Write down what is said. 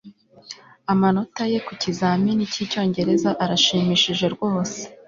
amanota ye ku kizamini cyicyongereza arashimishije rwose